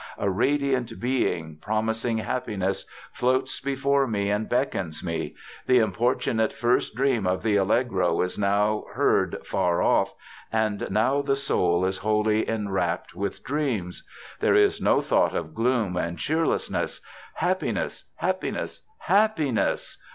A radiant being, promising happiness, floats before me and beckons me. The importunate first dream of the Allegro is now heard afar off, and now the soul is wholly enwrapped with dreams. There is no thought of gloom and cheerlessness. Happiness! Happiness! Happiness!